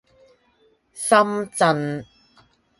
深圳